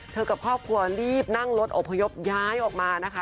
กับครอบครัวรีบนั่งรถอพยพย้ายออกมานะคะ